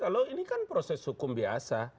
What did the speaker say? kalau ini kan proses hukum biasa